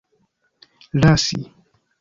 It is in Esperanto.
lasi